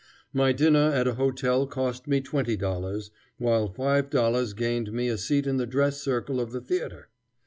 My dinner at a hotel cost me twenty dollars, while five dollars gained me a seat in the dress circle of the theatre.